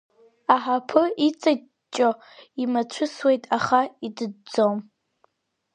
Аҳаԥы иҵаҷҷо имацәысуеит, аха идыдӡом.